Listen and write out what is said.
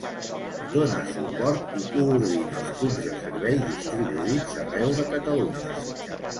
Dona suport i coordina els punts de servei distribuïts arreu de Catalunya.